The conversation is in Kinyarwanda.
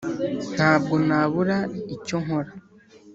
nta bwo nabura icyonkora